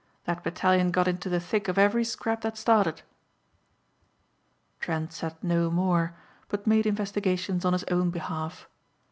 That battalion got into the thick of every scrap that started." Trent said no more but made investigations on his own behalf.